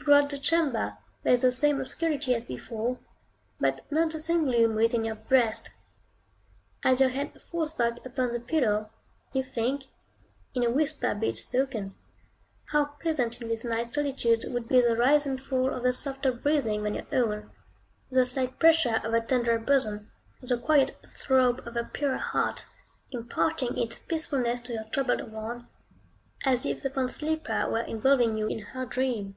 Throughout the chamber, there is the same obscurity as before, but not the same gloom within your breast. As your head falls back upon the pillow, you think in a whisper be it spoken how pleasant in these night solitudes would be the rise and fall of a softer breathing than your own, the slight pressure of a tenderer bosom, the quiet throb of a purer heart, imparting its peacefulness to your troubled one, as if the fond sleeper were involving you in her dream.